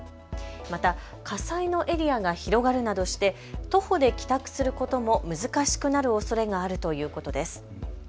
また火災のエリアが広がるなどして徒歩で帰宅することも難しくなるおそれがあるということです。